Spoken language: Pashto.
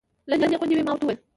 لږ لېونۍ غوندې وې. ما ورته وویل.